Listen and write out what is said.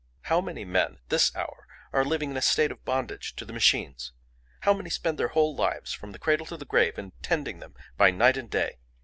How many men at this hour are living in a state of bondage to the machines? How many spend their whole lives, from the cradle to the grave, in tending them by night and day?